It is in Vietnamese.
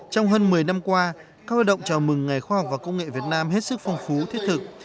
trong hơn một mươi năm qua các hoạt động chào mừng ngày khoa học và công nghệ việt nam hết sức phong phú thiết thực